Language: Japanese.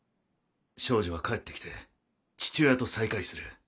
少女は帰って来て父親と再会する。